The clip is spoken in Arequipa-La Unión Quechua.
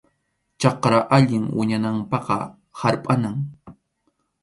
Chakra allin wiñananpaqqa qarpanam.